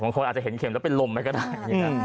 คนอาจจะเห็นเข็มแล้วเป็นลมไปก็ได้